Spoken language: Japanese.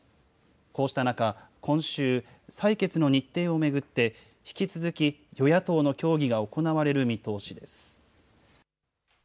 こうした中、今週、採決の日程を巡って、引き続き与野党の協議が行われる見通しです。